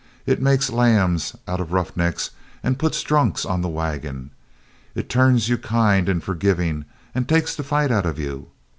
It makes lambs out o' roughnecks and puts drunks on the wagon. It turns you kind and forgivin' and takes the fight out o' you.